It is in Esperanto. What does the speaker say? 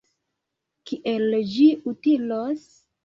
Kiel ĝi utilos?